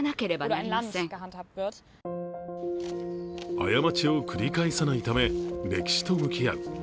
過ちを繰り返さないため歴史と向き合う。